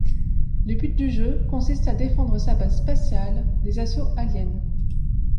Le but du jeu consiste à défendre sa base spatiale des assauts aliens.